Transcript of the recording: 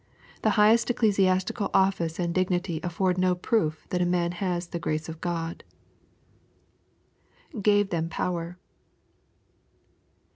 The highest ecclesiastical office and dignity afford no proof that a man has the grace of God. [Chve them power.